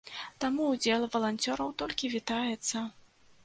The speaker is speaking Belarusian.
Таму ўдзел валанцёраў толькі вітаецца.